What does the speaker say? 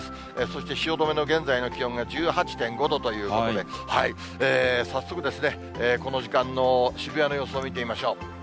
そして汐留の現在の気温が１８．５度ということで、早速、この時間の渋谷の様子を見てみましょう。